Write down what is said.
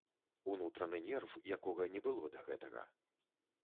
Унутраны нерв, якога не было да гэтага.